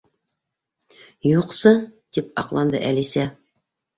—Юҡсы! —тип аҡланды Әлисә.